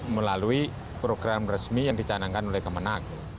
melalui program resmi yang dicanangkan oleh kemenang